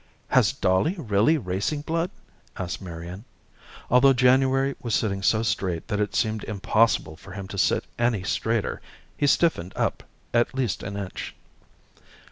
"Has Dolly really racing blood?" asked Marian. Although January was sitting so straight that it seemed impossible for him to sit any straighter, he stiffened up at least an inch.